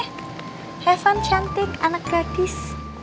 have fun cantik anak gadis